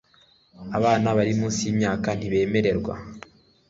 Abana bari munsi yimyaka ntibemerwa